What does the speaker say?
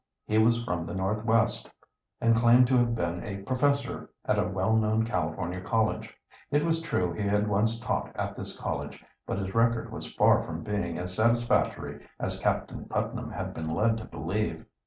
He was from the Northwest, and claimed to have been a professor at a well known California college. It was true he had once taught at this college, but his record was far from being as satisfactory as Captain Putnam had been led to believe.